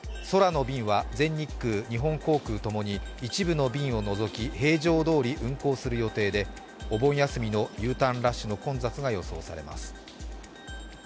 空の便は全日空、日本航空ともに一部の便を除き平常どおり運航する予定でお盆休みのＵターンラッシュの混雑が予想されます。